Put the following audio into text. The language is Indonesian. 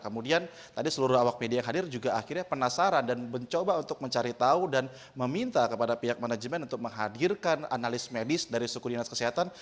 kemudian tadi seluruh awak media yang hadir juga akhirnya penasaran dan mencoba untuk mencari tahu dan meminta kepada pihak manajemen untuk menghadirkan analis medis dari suku dinas kesehatan